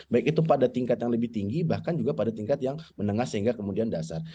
baik itu pada tingkat yang lebih tinggi bahkan juga pada tingkat yang menengah sehingga kemudian dasar